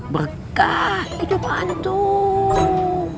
berkah hidup antum